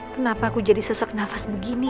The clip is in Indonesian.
kenapa aku jadi sesak nafas begini